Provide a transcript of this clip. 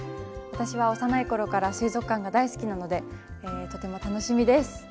私は幼い頃から水族館が大好きなのでとても楽しみです。